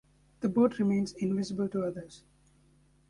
The boat remains invisible to others.